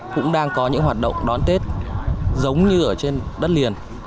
cũng đang có những hoạt động đón tết giống như ở trên đất liền